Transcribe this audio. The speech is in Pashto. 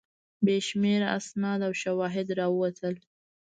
بې شمېره اسناد او شواهد راووتل.